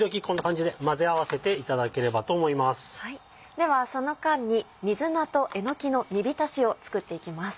ではその間に水菜とえのきの煮びたしを作っていきます。